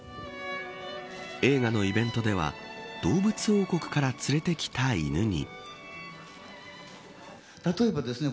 映画のイベントでは動物王国から連れてきた犬に。